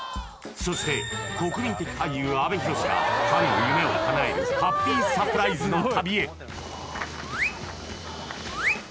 そして国民的俳優・阿部寛がファンの夢を叶えるハッピーサプライズの旅へ！